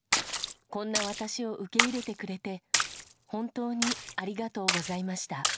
こんな私を受け入れてくれて、本当にありがとうございました。